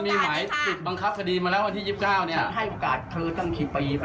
แต่มีไหว้ติดบังคับคดีมาแล้วอันที่๒๙เนี่ย